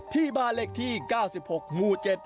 ที่บาลเล็กที่๙๖มู๗ปี